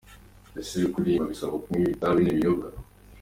Ese kuririmba bisaba kunywa ibitabi n’ibiyoga